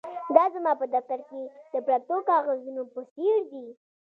دا زما په دفتر کې د پرتو کاغذونو په څیر دي